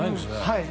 はい。